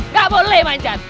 gak boleh manjat